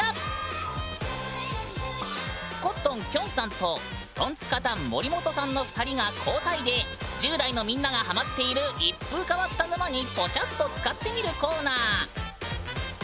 コットンきょんさんとトンツカタン森本さんの２人が交代で１０代のみんながハマっている一風変わった沼にポチャッとつかってみるコーナー。